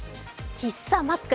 喫茶マック。